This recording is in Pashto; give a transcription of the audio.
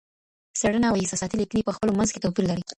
څېړنه او احساساتي لیکني په خپلو منځ کي توپیر لري.